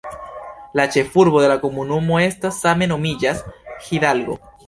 La ĉefurbo de la komunumo estas same nomiĝas "Hidalgo".